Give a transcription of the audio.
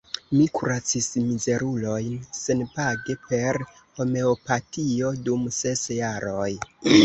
Mi kuracis mizerulojn senpage per homeopatio dum ses jaroj.